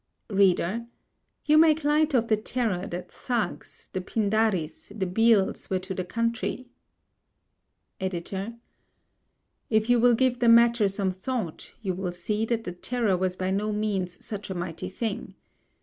READER: You make light of the terror that Thugs, the Pindaris, the Bhils were to the country. EDITOR: If you will give the matter some thought, you will see that the terror was by no means such a mighty thing.